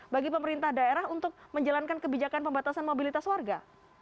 bagi pemerintah daerah untuk menjalankan kebijakan pembatasan mobilitas warga